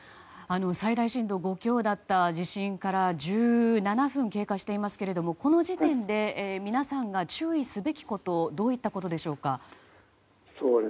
最大震度５強だった地震から１７分経過していますけどこの時点で皆さんが注意すべきことどういったことでしょうか。